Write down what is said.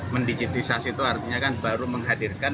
mendigitisasi itu artinya kan baru menghadirkan